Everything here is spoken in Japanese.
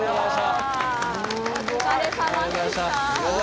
お疲れさまでした。